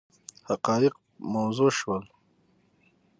حقایق موضح شول.